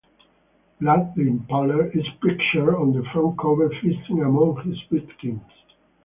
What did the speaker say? Vlad the Impaler is pictured on the front cover feasting among his victims.